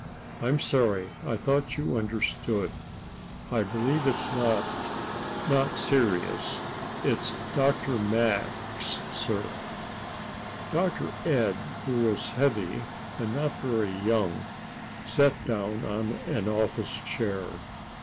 "I'm sorry I thought you understood. I believe it's not not serious. It's Dr. Max, sir." Dr. Ed, who was heavy and not very young, sat down on an office chair.